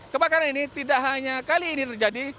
kebakaran ini tidak hanya kali ini terjadi